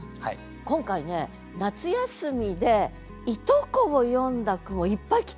今回ね「夏休」でいとこを詠んだ句もいっぱい来て。